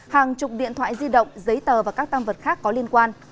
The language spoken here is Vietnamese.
hàng chục điện thoại di động giấy tờ và các tam vật khác có liên quan